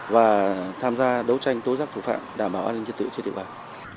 và tham gia đấu tranh tối giác thủ phạm đảm bảo an ninh chất tựa trên địa bàn